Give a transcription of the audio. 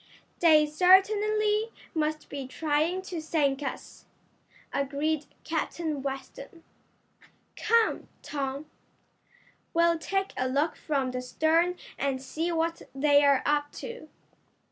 "They certainly must be trying to sink us," agreed Captain Weston. "Come, Tom, we'll take a look from the stern and see what they're up to."